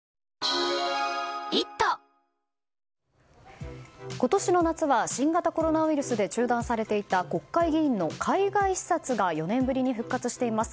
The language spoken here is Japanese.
わかるぞ今年の夏は新型コロナウイルスで中断されていた国会議員の海外視察が４年ぶりに復活しています。